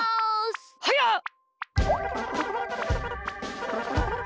はやっ！